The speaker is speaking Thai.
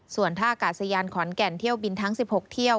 ส่วนท่ากาศยานขอนแก่นเที่ยวบินทั้ง๑๖เที่ยว